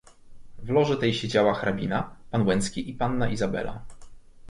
"W loży tej siedziała hrabina, pan Łęcki i panna Izabela."